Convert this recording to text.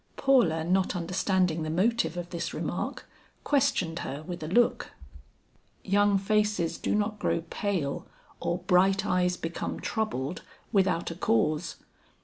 Paula not understanding the motive of this remark, questioned her with a look. "Young faces do not grow pale or bright eyes become troubled without a cause.